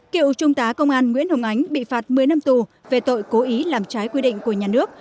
cựu trung tá công an nguyễn hồng ánh bị phạt một mươi năm tù về tội cố ý làm trái quy định của nhà nước